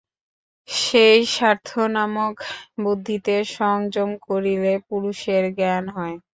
সেই স্বার্থ-নামক বুদ্ধিতে সংযম করিলে পুরুষের জ্ঞান হয়।